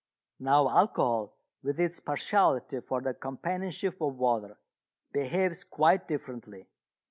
Now alcohol, with its partiality for the companionship of water, behaves quite differently.